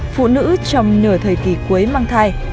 phụ nữ trong nửa thời kỳ cuối mang thai